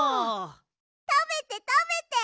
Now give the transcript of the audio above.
たべてたべて！